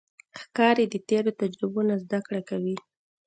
ښکاري د تیرو تجربو نه زده کړه کوي.